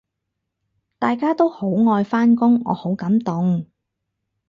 大家都好愛返工，我好感動